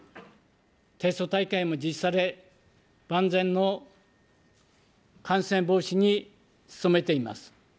テスト大会も実施され、万全の感染防止に努めています。